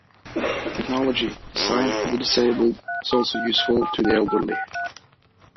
Technology designed for the disabled is also useful to the elderly.